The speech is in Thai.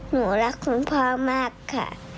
หนูรักคุณพ่อมากค่ะ